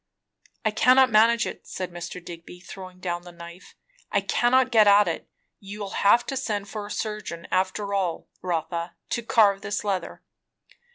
"I cannot manage it," said Mr. Digby throwing down the knife. "I cannot get at it. You'll have to send for a surgeon, after all, Rotha, to carve this leather."